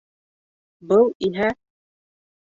Был иһә...